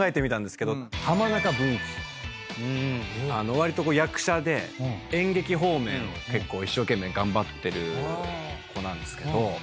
わりと役者で演劇方面を一生懸命頑張ってる子なんですけど。